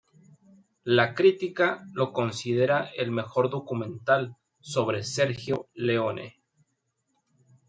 La crítica lo considera el mejor documental sobre Sergio Leone.